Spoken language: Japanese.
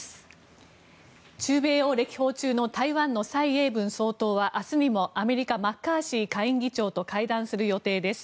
中米を歴訪中の台湾の蔡英文総統は明日にもアメリカのマッカーシー下院議長と会談する予定です。